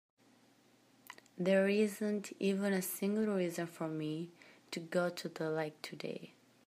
There isn't even a single reason for me to go to the lake today.